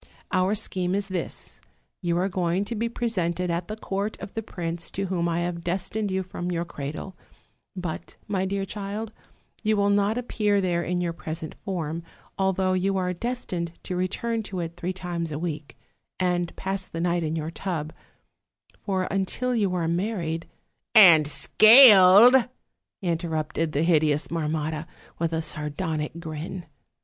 Our scheme is this: you are going to be presented at the court of the prince to whom I have destined you from your cradle; but, my dear child, you will not appear there in your present form, although you are destined to return to it three times a week, and pass the night in your tub; for, until you are married '" 'And scaled,' interrupted the hideous Marmotta, with a sardonic grin.